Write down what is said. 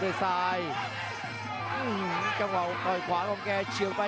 นี่ครับหัวมาเจอแบบนี้เลยครับวงในของพาราดอลเล็กครับ